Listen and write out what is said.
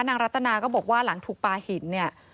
รัตนาก็บอกว่าหลังถูกปลาหินเนี่ย